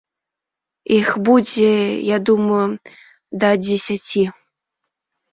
Іх будзе, я думаю, да дзесяці.